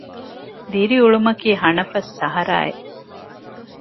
ދިރިއުޅުމަކީ ހަނަފަސް ސަހަރާއެއް